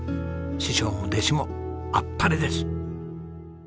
師匠も弟子もあっぱれです。